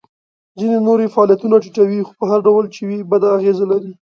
ځینې نور یې فعالیتونه ټیټوي خو په هر ډول چې وي بده اغیزه لري.